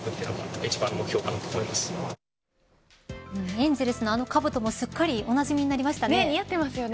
エンゼルスのあのかぶともすっかりおなじみに似合ってますよね。